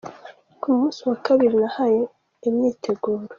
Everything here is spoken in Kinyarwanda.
Ku munsi wa kabiri habaye imyiteguro.